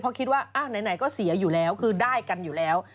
เพราะคิดว่าไหนก็เสียอยู่แล้วคือได้กันอยู่แล้ว